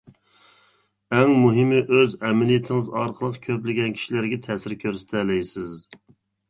ئەڭ مۇھىمى ئۆز ئەمەلىيىتىڭىز ئارقىلىق كۆپلىگەن كىشىلەرگە تەسىر كۆرسىتەلەيسىز.